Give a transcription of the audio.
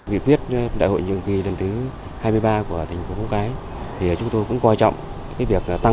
điều này không chỉ giúp những cán bộ chiến sĩ ở bộ phận